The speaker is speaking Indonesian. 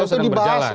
kalau sedang berjalan